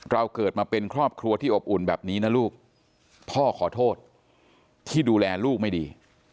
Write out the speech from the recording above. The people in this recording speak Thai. เราเกิดมาเป็นครอบครัวที่อบอุ่นแบบนี้นะลูกพ่อขอโทษที่ดูแลลูกไม่ดี